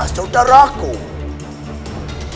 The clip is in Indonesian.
tidak perlu marah marah seperti itu